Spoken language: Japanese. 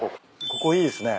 ここいいですね。